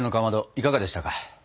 いかがでしたか？